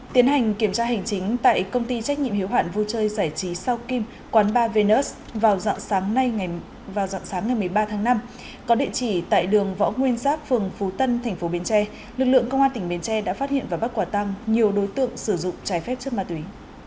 tiến hành kiểm tra hành chính tại công ty trách nhiệm hiếu hoạn vui chơi giải trí sau kim quán ba venus vào dặn sáng ngày một mươi ba tháng năm có địa chỉ tại đường võ nguyên giáp phường phú tân tp biên tre lực lượng công an tỉnh biên tre đã phát hiện và bắt quả tăng nhiều đối tượng sử dụng trái phép chất ma túy